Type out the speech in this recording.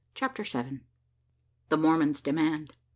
CHAPTER SEVEN. THE MORMON'S DEMAND.